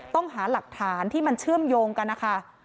ต้องหาหลักฐานที่มันเชื่อมโยงกันนะคะ